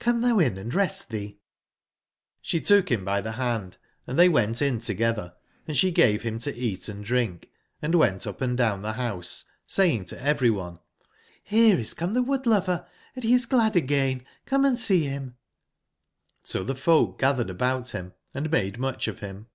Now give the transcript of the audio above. Come thou in and rest thee." k3 133 jRe tooh bim by tbc band and tbcy went in togctbcr, and ebc gave bim to eatanddrink, 1 and wentup anddown tbe bouse, saying to every one :'' Rere is come tbe CCIood/lover, and be is glad again ; come & see bim ''jl^So tbe folk gatbered about bim, and made mucb of bim.